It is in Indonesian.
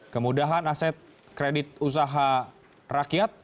kemudahan aset kredit usaha rakyat